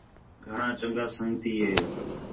گھݨاں چَنڳا سنڳی ہِے